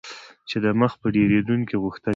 چې د مخ په ډیریدونکي غوښتنې